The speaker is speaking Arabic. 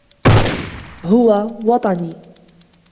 هو وطنيّ.